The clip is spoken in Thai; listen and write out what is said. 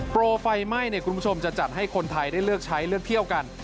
โปรไฟไหม้คุณผู้ชมจะจัดให้คนไทยได้เลือกใช้เลือกเที่ยวกัน